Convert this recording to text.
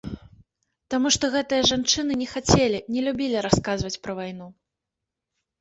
Таму што гэтыя жанчыны не хацелі, не любілі расказваць пра вайну.